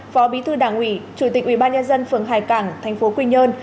phó bí thư đảng ủy chủ tịch ủy ban nhân dân phường hải cảng tp quy nhơn